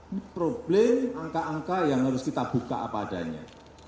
ini problem angka angka yang harus kita buka apa adanya